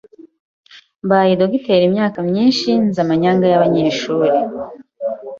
"Mbaye Directeur imyaka myinshi nzi amanyanga y’abanyeshuri